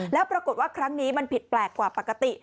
แล้วปรากฏว่าครั้งนี้มันผิดแปลกกว่าปกติ